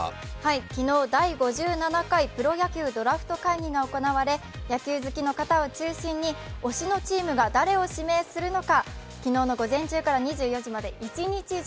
昨日第５７回プロ野球ドラフト会議が行われ、野球好きの方を中心に推しのチームが誰を推薦するのか昨日の午前中から２４時まで一日中